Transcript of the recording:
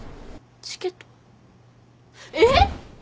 チケット？えっ！？